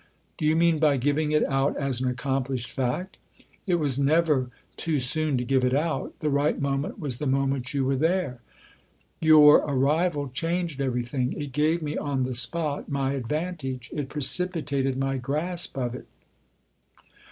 " Do you mean by giving it out as an accomplished fact ? It was never too soon to give it out ; the right moment was the moment you were there. Your 2;6 THE OTHER HOUSE arrival changed everything; it gave me on the spot my advantage ; it precipitated my grasp of it."